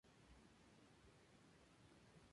Juan de Echegaray fue nombrado juez de esas poblaciones.